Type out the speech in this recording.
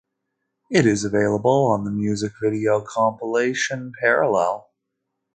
It is available on the music video compilation "Parallel".